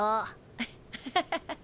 アッハハハ。